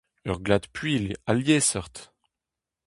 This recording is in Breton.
Ur glad puilh ha liesseurt.